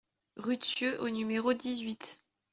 Rue Thieux au numéro dix-huit